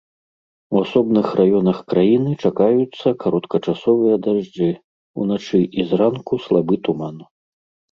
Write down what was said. У асобных раёнах краіны чакаюцца кароткачасовыя дажджы, уначы і зранку слабы туман.